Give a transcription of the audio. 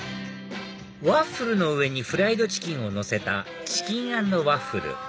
ワッフルの上にフライドチキンをのせたチキン＆ワッフル